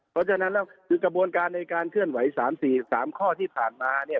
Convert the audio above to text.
เพราะฉะนั้นแล้วคือกระบวนการในการเคลื่อนไหว๓๔๓ข้อที่ผ่านมาเนี่ย